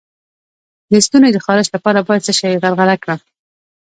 د ستوني د خارش لپاره باید څه شی غرغره کړم؟